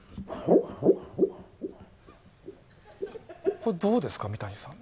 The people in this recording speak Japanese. これ、どうですか三谷さん？